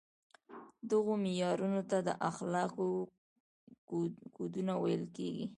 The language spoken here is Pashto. دغو معیارونو ته د اخلاقو کودونه ویل کیږي.